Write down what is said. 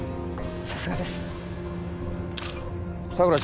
さすがです佐久良